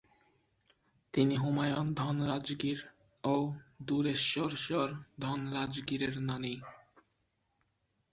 তিনি হুমায়ূন ধনরাজগীর ও দুরেশ্বরশ্বর ধনরাজগীরের নানী।